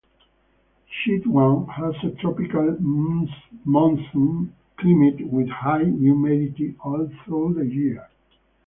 Chitwan has a tropical monsoon climate with high humidity all through the year.